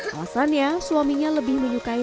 alasannya suaminya lebih menyukainya